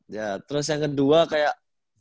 ya terus yang kedua kayak